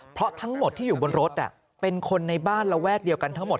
เพราะทั้งหมดที่อยู่บนรถเป็นคนในบ้านระแวกเดียวกันทั้งหมด